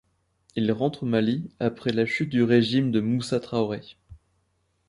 Il rentre au Mali après la chute du régime de Moussa Traoré.